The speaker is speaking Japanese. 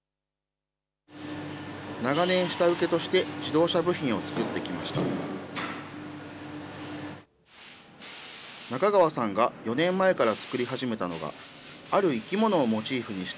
長年、下請けとして自動車部品を作ってきました。